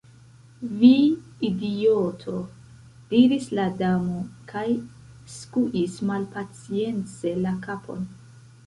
"Vi idioto!" diris la Damo, kaj skuis malpacience la kapon.